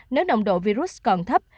nếu nồng độ virus còn thấp